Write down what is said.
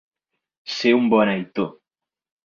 Ser un beneitó.